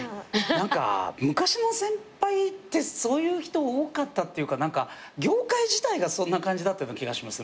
何か昔の先輩ってそういう人多かったっていうか業界自体がそんな感じだったような気がします。